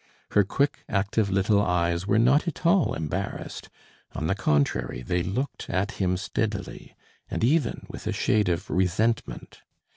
Her quick, active little eyes were not at all embarrassed; on the contrary, they looked at him steadily and even with a shade of resentment.